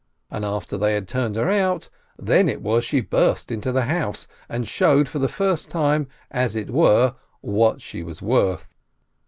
And after they had turned her out, then it was she burst into the house, and showed for the first time, as it were, what she was worth.